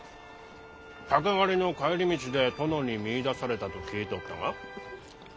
鷹狩りの帰り道で殿に見いだされたと聞いておったが？